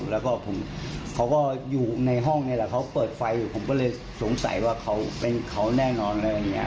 แล้วก็ผมเขาก็อยู่ในห้องนี่แหละเขาเปิดไฟอยู่ผมก็เลยสงสัยว่าเขาเป็นเขาแน่นอนอะไรอย่างนี้